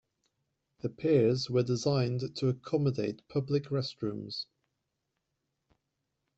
The piers were designed to accommodate public restrooms.